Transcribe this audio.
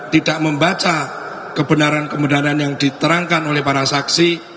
tidak membaca kebenaran kebenaran yang diterangkan oleh para saksi